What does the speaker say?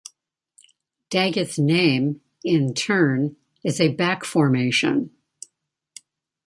Daggett's name, in turn, is a back-formation.